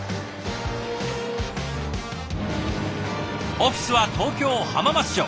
オフィスは東京・浜松町。